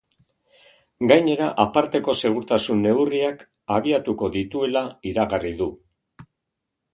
Gainera, aparteko segurtasun neurriak abiatuko dituela iragarri du.